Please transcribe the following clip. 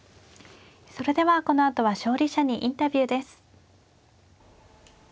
それではこのあとは勝利者にインタビューです。